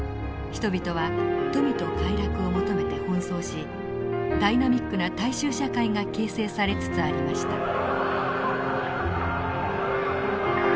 人々は富と快楽を求めて奔走しダイナミックな大衆社会が形成されつつありました。